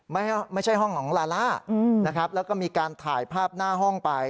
ไม่ใช่ห้องของลาล่านะครับแล้วก็มีการถ่ายภาพหน้าห้องไป